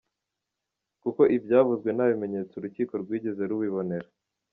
kuko ibyavuzwe nta bimenyetso urukiko rwigeze rubibonera.